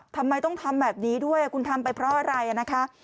ทำไมต้องทำแบบนี้ด้วยคุณทำไปเพราะอะไรนะคะ